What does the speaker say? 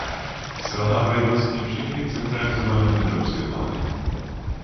Selhávají vlastně všechny centralizované evropské plány.